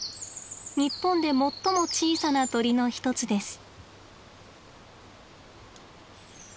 日本で最も小さな鳥の一つです。